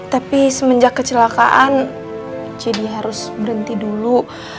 tapi semenjak kecelakaan jadi harus berhenti dulu